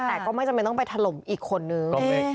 แต่ก็ไม่จำเป็นต้องไปถล่มอีกคนนึง